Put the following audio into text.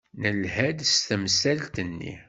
Nelha-d s temsalt-nni.